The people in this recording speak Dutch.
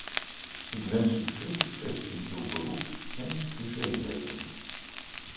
Ik wens u veel succes in uw beroeps- en privéleven.